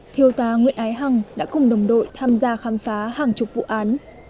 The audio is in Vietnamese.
thiêu tá nguyễn ái hằng đã cùng đồng đội tham gia khám phá hàng chục vụ án